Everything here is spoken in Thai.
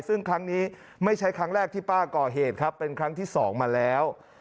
ซึ่งครั้งนี้ไม่ใช่ครั้งแรกที่ป้าก่อเหตุครับเป็นครั้งที่สองมาแล้ว